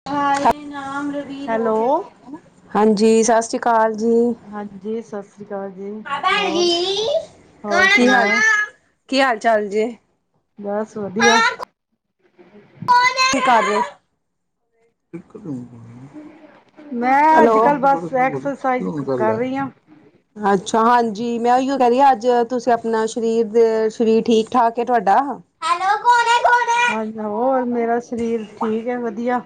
[unintelligible] Hello ਹਾਂਜੀ, ਸਤਿ ਸ੍ਰੀ ਅਕਾਲ ਜੀ। ਹਾਂਜੀ, ਸਤਿ ਸ਼੍ਰੀ ਅਕਾਲ ਜੀ। ਭੈਣ ਹੋਰ ਜੀ। ਹੋਰ ਕੀ ਹਾਲ ਸੁਣਾਓ ਕੀ ਹਾਲ ਚਾਲ ਜੀ। ਬਸ ਵਧੀਆ। ਕੀ ਕਰ ਰਹੇ। ਮੈਂ ਹੈਲੋ। ਅੱਜ ਕੱਲ੍ਹ ਬਸ ਐਕਸਰਸਾਈਜ਼ ਕਰ ਰਹੀ ਹਾਂ ਅੱਛਾ ਹਾਂਜੀ ਮੈਂ ਉਹੀ ਕਹਿ ਰਹੀ ਹਾਂ ਅੱਜ ਤੁਸੀਂ ਆਪਣਾ ਸਰੀਰ ਦੇ ਸਰੀਰ ਠੀਕ ਠਾਕ ਏ ਤੁਹਾਡਾ। ਹੈਲੋ ਕੌਣ ਹੈ ਹਾਂ ਹੋ ਮੇਰਾ ਸਰੀਰ ਠੀਕ ਹੈ ਵਧੀਆ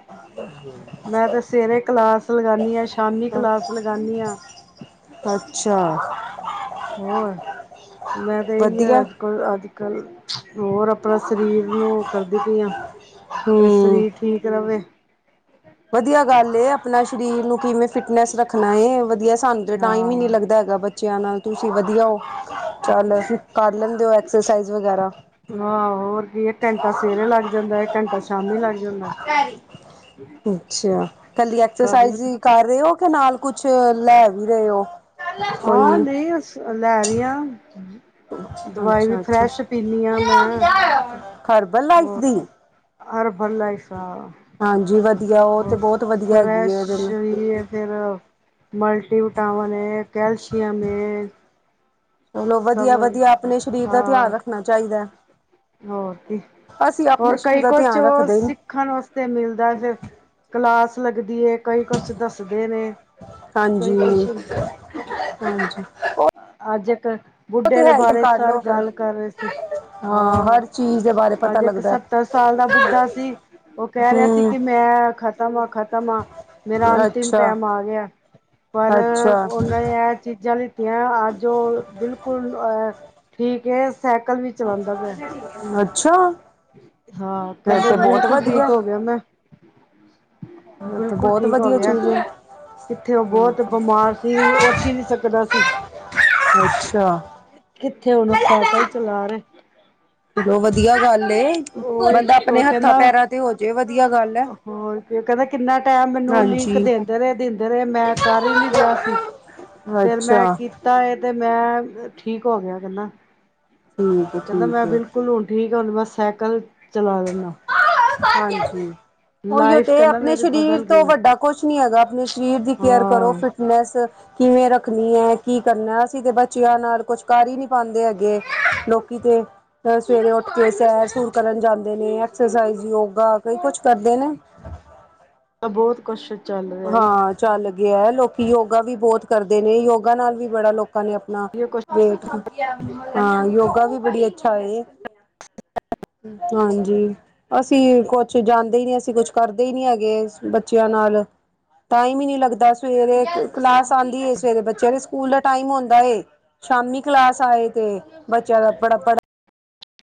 ਮੈਂ ਤੇ। ਸਵੇਰੇ ਕਲਾਸ ਲਗਾਉਂਦੀ ਹਾਂ, ਸ਼ਾਮੀ ਕੌਣ ਕਲਾਸ ਲਗਾਉਂਦੀ ਹਾਂ। ਅੱਛਾ ਹੋਲ ਹੈ ਮੈਂ ਤੇ ਇਹੀ ਹੈ ਵਧੀਆ ਅੱਜ ਕਲ ਅੱਜ ਕੱਲ। ਹੋਰ ਆਪਣਾ ਸਰੀਰ ਨੂੰ ਕਰਦੀ ਪਈ ਆ। ਹੂੰ। ਵੀ ਸਰੀਰ ਠੀਕ ਰਹੇ। ਵਧੀਆ ਗੱਲ ਏ, ਆਪਣਾ ਸਰੀਰ ਨੂੰ ਕਿਵੇਂ ਫਿਟਨੈਸ ਰੱਖਣਾ ਏ ਵਧੀਆ। ਸਾਨੂੰ ਤੇ ਟਾਈਮ ਹੀ ਨੀ ਹਾਂ ਲੱਗਦਾ ਹੈਗਾ ਬੱਚਿਆਂ ਨਾਲ ਤੁਸੀਂ ਵਧੀਆ ਹੋ, ਚੱਲ। ਕਰ ਲੈਂਦੇ ਹੋ ਐਕਸਰਸਾਈਜ਼ ਵਗੈਰਾ। ਆਹੋ ਹੋਰ ਕੀ ਇਕ ਘੰਟਾ ਸਵੇਰੇ ਲੱਗ ਜਾਂਦਾ, ਇਕ ਘੰਟਾ ਸ਼ਾਮੀ ਲੱਗ ਜਾਂਦਾ। ਅੱਛਾ ਕੱਲੀ ਕਰ ਐਕਸਰਸਾਈਜ਼ ਲ ਕਰ। ਰਹੇ ਹੋ ਕੇ ਨਾਲ ਕੁਛ ਲੈ ਵੀ ਰਹੇ ਹੋ। ਆਹ ਕੋਈ ਨਹੀਂ ਅ ਲੈ ਰਹੀਆਂ। ਦਵਾਈ ਵੀ ਅੱਛਾ ਅੱਛਾ ਫਰੈਸ਼ ਪੀਨੀ ਹਾਂ ਮੈਂ ਹਰਬਲ ਲਾਈਫ ਹੋਰ। ਦੀ ਹਰਬਲ ਲਾਈਫ ਆ। ਹਾਂਜੀ ਵਧੀਆ, ਉਹ ਤੇ ਹੋਰ ਬਹੁਤ ਵਧੀਆ ਹੈਗੀ ਹੈ ਫਰੈਸ਼ ਇਹ ਜਿਹੜੀ। ਵੀ ਹੈ ਫਿਰ ਮਲਟੀ ਵਿਟਾਮਨ ਐ, ਕੈਲਸ਼ੀਅਮ ਐ। ਚਲੋ ਵਧੀਆ ਵਧੀਆ ਆਪਣੇ ਸਰੀਰ ਦਾ ਧਿਆਨ ਹਾਂ ਰੱਖਣਾ ਚਾਹੀਦਾ ਹੈ। ਹੋਰ ਕੀ ਅਸੀਂ ਹੋਰ ਆਪਣੇ ਸਰੀਰ ਕਈ ਦਾ ਕੁਛ। ਧਿਆਨ ਰੱਖਦੇ ਹੀ ਸਖਣ ਵਾਸਤੇ ਮਿਲਦਾ ਫਿਰ ਕਲਾਸ ਲੱਗਦੀ ਹੈ। ਕਈ ਕੁਛ ਦੱਸਦੇ ਨੇ ਕਈ ਕੁਛ। ਹਾਂਜੀ ਹਾਂਜੀ। ਉਹ ਅੱਜ ਇੱਕ ਬੁੱਢੇ ਤੇ ਦੇ ਹੈ ਹੀ ਬਾਰੇ ਕਰ ਸਰ ਲੋ ਫਿਰ ਗੱਲ ਕਰ ਰਹੇ ਸੀ ਹਾਂ ਆਹ ਹਰ ਚੀਜ਼ ਦੇ ਬਾਰੇ ਪਤਾ ਅੱਜ ਇੱਕ ਲੱਗਦਾ ਸੱਤਰ ਸਾਲ ਦਾ ਬੁੱਢਾ ਸੀ ਉਹ ਕੈ ਰੇਆ ਸੀ ਹੂੰ ਕਿ ਮੈਂ ਖਤਮ ਆ ਖ਼ਤਮ ਆ ਮੇਰਾ ਅੰਤਿਮ ਅੱਛਾ ਟੈਮ ਆ ਗਿਆ ਪਰ ਅੱਛਾ ਉਹਨਾਂ ਨੇ ਇਹ ਚੀਜ਼ਾਂ ਲਈ ਆਜ ਜੋ ਬਿਲਕੁਲ ਅ ਠੀਕ ਹੈ ਸੈਕਲ ਵੀ ਚਲਾਂਦਾ ਪਿਆ ਅੱਛਾ ਹਾਂ ਫਿਰ ਕੈਂਦੇ ਤੇ ਬਹੁਤ ਬਿਲਕੁਲ ਵਧੀਆ ਠੀਕ ਹੋ ਗਿਆ ਮੈਂ ਫਿਰ ਤੇ ਬਿਲਕੁਲ ਬਹੁਤ ਠੀਕ ਹੋ ਵਧੀਆ ਗਿਆ ਚੀਜ਼ ਹੈ ਕਿੱਥੇ ਉਹ ਬੋਤ ਬਿਮਾਰ ਸੀ ਵੀ ਉੱਠ ਈ ਨਹੀਂ ਸਕਦਾ ਸੀ ਅੱਛਾ ਕਿੱਥੇ ਹੁਨ ਓ ਸੈਕਲ ਚਲਾ ਰਹੇ ਚਲੋ ਵਧੀਆ ਗੱਲ ਏ ਬੰਦਾ ਉਹ ਉਹ ਆਪਣੇ ਹੱਥਾਂ ਕਹਿੰਦਾ ਪੈਰਾਂ ਤੇ ਹੋਜੇ ਵਧੀਆ ਗੱਲ ਹੈ ਹੋਰ ਕਹਿੰਦਾ ਕਿੰਨਾ ਟਾਈਮ ਮੈਨੂੰ ਲਿੰਕ ਹਾਂਜੀ ਦਿੰਦੇ ਰਹੇ ਦਿੰਦੇ ਰਹੇ ਮੈਂ ਕਰ ਹੀ ਨਹੀਂ ਰੇਆ ਸੀ ਅੱਛਾ ਤਾਂ ਇਹ ਤੇ ਮੈਂ ਠੀਕ ਹੋ ਗਿਆ ਕੈਂਦਾ ਠੀਕ ਹੈ ਕੈਂਦਾ ਠੀਕ ਮੈਂ ਹੈ ਬਿਲਕੁਲ ਹੁਣ ਠੀਕ ਆ ਹੁਣ ਮੈ ਸੈਕਲ ਚਲਾ ਲੈਂਦਾ ਹਾਂਜੀ ਉਹੀਓ ਲਾਈਫ ਤੇ ਕਹਿੰਦਾ ਆਪਣੇ ਮੇਰੀ ਸਰੀਰ ਬਦਲ ਗਈ ਤੋਂ ਮੇਰੀ ਵੱਡਾ ਕੁਛ ਨੀ ਹੈਗਾ ਆਪਣੇ ਸਰੀਰ ਦੀ ਕੇਅਰ ਕਰੋ ਫਿਟ ਹਾਂ ਮੈਂਸ ਕਿਵੇਂ ਰੱਖਣੀ ਹੈ ਕੀ ਕਰਨਾ ਅਸੀਂ ਤੇ ਬੱਚਿਆਂ ਨਾਲ ਕੁਝ ਕਰ ਹੀ ਨੀ ਪਾਂਦੇ ਹੈਗੇ ਲੋਕੀ ਤੇ ਸਵੇਰੇ ਉੱਠ ਕੇ ਸੈਰ ਸੂਰ ਕਰਨ ਜਾਂਦੇ ਨੇ ਐਕਸਰਸਾਈਜ਼ ਯੋਗਾ ਕਈ ਕੁਝ ਕਰਦੇ ਨੇ ਬੋਤ ਕੁੱਸ਼ ਹਾਂ ਚੱਲ ਗਿਆ ਹੈ ਲੋਕੀ ਯੋਗਾ ਵੀ ਬੋਤ ਕਰਦੇ ਨੇ ਯੋਗਾ ਨਾਲ ਵੀ ਬੜਾ ਲੋਕਾਂ ਨੇ ਨਾ ਕੁਛ ਵੇਟ ਹਾਂ ਯੋਗਾ ਵੀ ਬੜੀ ਅੱਛਾ ਹੇ ਹਾਂਜੀ ਅਸੀਂ ਕੁਛ ਜਾਂਦੇ ਹੀ ਨੀ ਅਸੀਂ ਕੁਛ ਕਰਦੇ ਹੀ ਨਹੀਂ ਹੈਗੇ ਬੱਚਿਆਂ ਨਾਲ ਟਾਈਮ ਹੀ ਨਹੀਂ ਲੱਗਦਾ ਸਵੇਰੇ ਕਲਾਸ ਆਂਦੀ ਸਵੇਰੇ ਬੱਚਿਆਂ ਦੇ ਸਕੂਲ ਦਾ ਟਾਈਮ ਹੁੰਦਾ ਏ ਸ਼ਾਮੀ ਕਲਾਸ ਆਏ ਤੇ ਬੱਚਿਆਂ ਦਾ ਪੜ੍ਹਨ